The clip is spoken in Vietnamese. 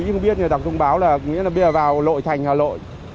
không biết nhưng mà đọc thông báo là nghĩa là bây giờ vào lội thành hà lội